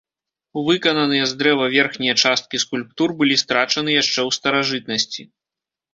Выкананыя з дрэва верхнія часткі скульптур былі страчаны яшчэ ў старажытнасці.